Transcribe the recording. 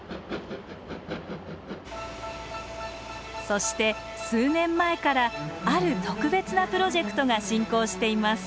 そして数年前からある特別なプロジェクトが進行しています